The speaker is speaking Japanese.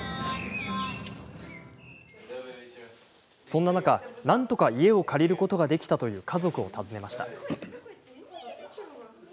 そんな中なんとか家を借りることができたという家族を訪ねました。